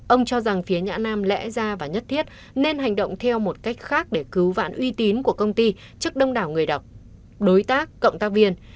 ông cho rằng phía nhã nam lẽ ra và nhất thiết nên hành động theo một cách khác để cứu vãn uy tín của công ty trước đông đảo người đọc đối tác cộng tác viên